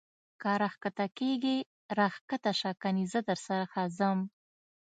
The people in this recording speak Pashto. که را کښته کېږې را کښته سه کنې زه در څخه ځم.